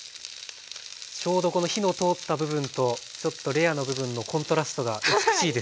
ちょうどこの火の通った部分とちょっとレアの部分のコントラストが美しいです。